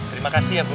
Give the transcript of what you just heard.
terima kasih ya bu